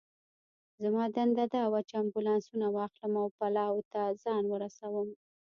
زما دنده دا وه چې امبولانسونه واخلم او پلاوا ته ځان ورسوم.